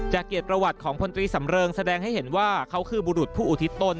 เกียรติประวัติของพลตรีสำเริงแสดงให้เห็นว่าเขาคือบุรุษผู้อุทิศต้น